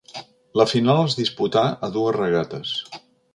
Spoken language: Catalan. La final es disputà a dues regates.